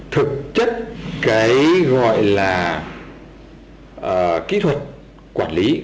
thực chất cái gọi là kỹ thuật quản lý